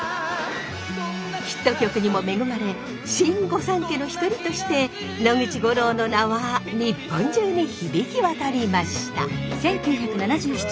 ヒット曲にも恵まれ新御三家の一人として野口五郎の名は日本中に響き渡りました。